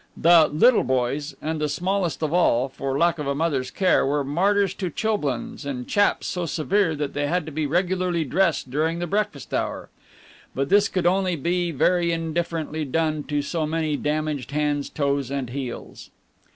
The "little boys" and the smallest of all, for lack of a mother's care, were martyrs to chilblains and chaps so severe that they had to be regularly dressed during the breakfast hour; but this could only be very indifferently done to so many damaged hands, toes, and heels.